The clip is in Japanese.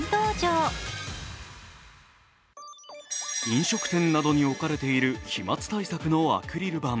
飲食店などに置かれている飛まつ対策のアクリル板。